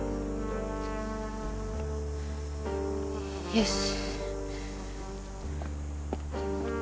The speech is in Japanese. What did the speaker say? よし。